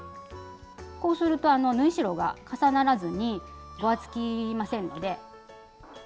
こうすると縫い代が重ならずにごわつきませんので。